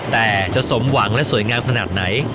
แต่จะสมหวังและสวยงามขนาดไหน